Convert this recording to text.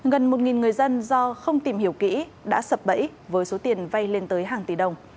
gần một người dân do không tìm hiểu kỹ đã sập bẫy với số tiền vay lên tới hàng tỷ đồng